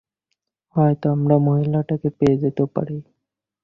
হয়তো আমরা মহিলাটিকে পেয়ে যেতেও পারি।